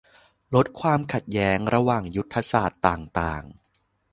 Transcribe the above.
ลดความขัดแย้งระหว่างยุทธศาสตร์ต่างต่าง